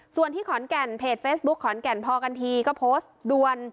ส่วนที่ขอนแก่นเพจเฟซบุ๊คขอนแก่นพอกันทีก็โพสต์ดวน